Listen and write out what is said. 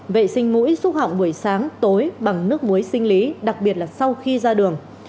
vệ sinh mũi xúc họng buổi sáng tối bằng nước muối sinh lý đặc biệt là sau khi ra đường